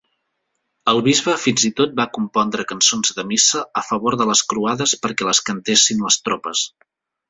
El bisbe fins i tot va compondre cançons de missa a favor de les croades perquè les cantessin les tropes.